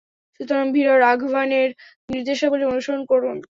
সুতরাং ভীরা রাঘবানের নির্দেশাবলী অনুসরণ করুন।